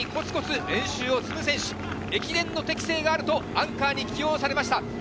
真面目にコツコツ練習をつく選手、駅伝の適性があるとアンカーに起用されました。